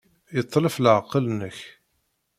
Yetlef leɛqel-nnek.